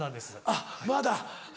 あっまだ。